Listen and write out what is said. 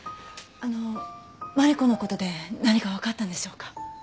あの真梨子の事で何かわかったんでしょうか？